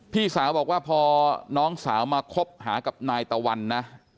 พี่สาวบอกว่าพอน้องสาวมาคบหากับนายตะวันนะ